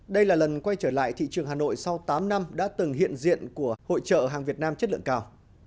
đây là lần quay trở lại thị trường hà nội sau tám năm đã từng hiện diện của hội trợ hàng việt nam chất lượng cao